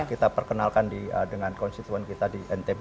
kita perkenalkan dengan konstituen kita di ntb